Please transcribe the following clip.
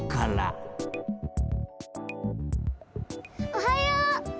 おはよう！